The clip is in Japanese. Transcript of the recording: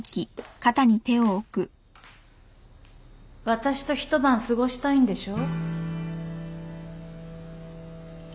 私と一晩過ごしたいんでしょ？